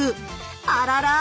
あらら。